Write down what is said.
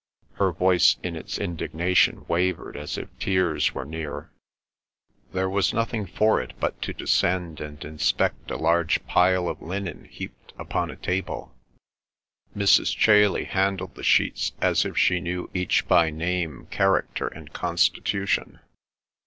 Her voice in its indignation wavered as if tears were near. There was nothing for it but to descend and inspect a large pile of linen heaped upon a table. Mrs. Chailey handled the sheets as if she knew each by name, character, and constitution.